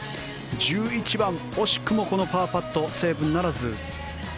１１番、惜しくもこのパーパットセーブならず。